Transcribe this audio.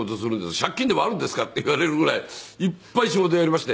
「借金でもあるんですか？」って言われるぐらいいっぱい仕事をやりまして。